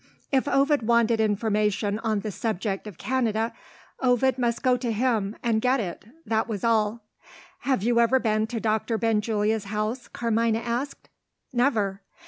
If Ovid wanted information on the subject of Canada, Ovid must go to him, and get it. That was all. "Have you ever been to Doctor Benjulia's house?" Carmina asked. "Never."